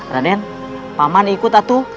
raden paman ikut atu